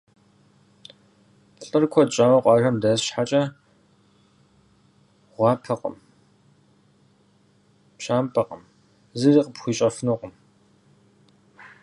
ЛӀыр куэд щӀауэ къуажэм дэс щхьэкӀэ, гъуапэкъым, пщампӀэкъым, зыри къыпхуищӀэфынукъым.